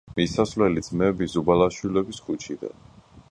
მისასვლელი ძმები ზუბალაშვილების ქუჩიდან.